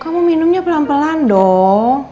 kamu minumnya pelan pelan dong